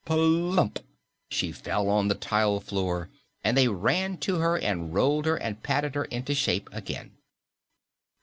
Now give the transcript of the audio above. Plump! She fell on the tiled floor, and they ran to her and rolled her and patted her into shape again.